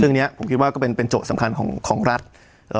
เนี้ยผมคิดว่าก็เป็นเป็นโจทย์สำคัญของของรัฐเอ่อ